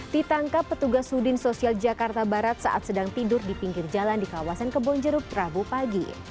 ditangkap petugas udin sosial jakarta barat saat sedang tidur di pinggir jalan di kawasan kebonjeruk rabu pagi